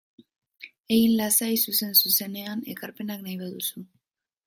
Egin lasai zuzen-zuzenean ekarpenak nahi baduzu.